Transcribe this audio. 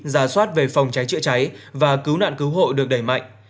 giả soát về phòng cháy chữa cháy và cứu nạn cứu hộ được đẩy mạnh